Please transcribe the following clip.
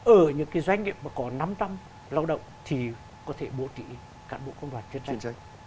ở những cái doanh nghiệp mà có năm trăm linh lao động thì có thể bổ trị cán bộ công đoàn chuyên trách